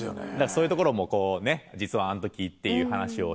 そういうところもこう「実はあの時」っていう話をしたりとか。